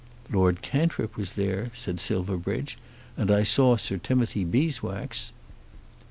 "Lord Cantrip was there," said Silverbridge; "and I saw Sir Timothy Beeswax."